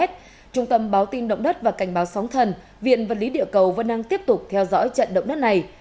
trung tâm báo tin động đất và cảnh báo sóng thần viện vật lý địa cầu vẫn đang tiếp tục theo dõi trận động đất này